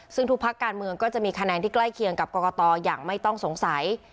ซึ่งทุกพักการเมืองก็จะมีคะแนนที่ใกล้เคียงกับกรกตอย่างไม่ต้องสงสัย